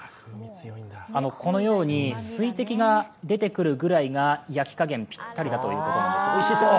このように、水滴が出てくるぐらいが焼き加減ぴったりだということです、おいしそう。